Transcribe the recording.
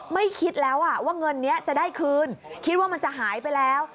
ไม่คิดแล้วว่าเงินนี้จะได้คืนคิดว่ามันจะหายไปแล้ว